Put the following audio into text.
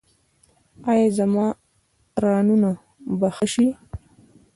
ایا زما رانونه به ښه شي؟